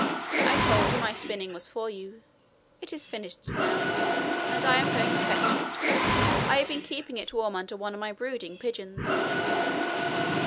I told you my spinning was for you. It is finished now, and I am going to fetch it. I have been keeping it warm under one of my brooding pigeons.'